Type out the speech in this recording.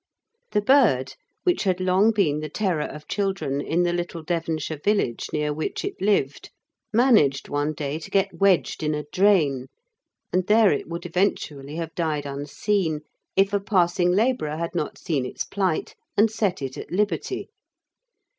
The bird, which had long been the terror of children in the little Devonshire village near which it lived, managed one day to get wedged in a drain, and there it would eventually have died unseen if a passing labourer had not seen its plight and set it at liberty.